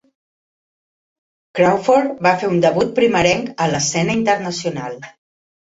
Crawford va fer un debut primerenc a l'escena internacional.